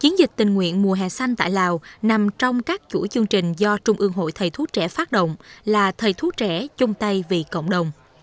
chiến dịch tình nguyện mùa hè xanh tại lào nằm trong các chủ chương trình do trung ương hội thầy thuốc trẻ phát động là thầy thuốc trẻ chung tay vì cộng đồng